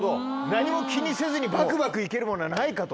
何も気にせずにバクバク行けるものはないか？と。